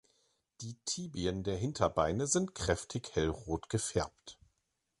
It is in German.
Die Tibien der Hinterbeine sind kräftig hellrot gefärbt.